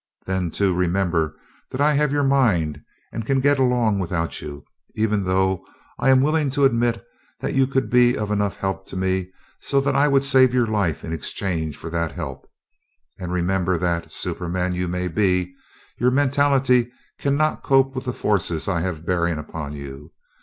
Then, too, remember that I have your mind, and can get along without you; even though I am willing to admit that you could be of enough help to me so that I would save your life in exchange for that help. Also remember that, superman though you may be, your mentality cannot cope with the forces I have bearing upon you.